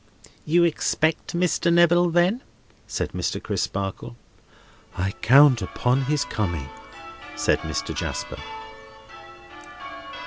"You expect Mr. Neville, then?" said Mr. Crisparkle. "I count upon his coming," said Mr. Jasper.